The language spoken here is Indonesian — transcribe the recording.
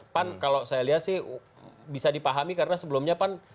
pan kalau saya lihat sih bisa dipahami karena sebelumnya pan